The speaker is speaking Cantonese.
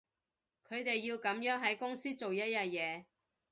佢哋要噉樣喺公司做一日嘢